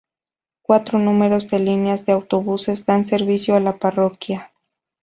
Cuatro números de líneas de autobuses dan servicio a la parroquia.